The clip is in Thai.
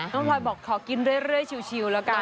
พลอยบอกขอกินเรื่อยชิวแล้วกัน